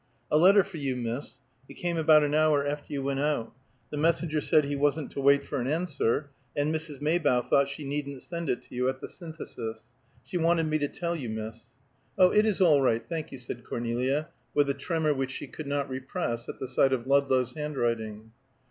"A letter for you, miss. It came about an hour after you went out. The messenger said he wasn't to wait for an answer, and Mrs. Maybough thought she needn't send it to you at the Synthesis. She wanted me to tell you, miss." "Oh, it is all right, thank you," said Cornelia, with a tremor which she could not repress at the sight of Ludlow's handwriting.